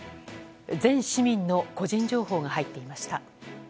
全市民の個人情報が入っていました。